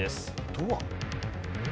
ドア？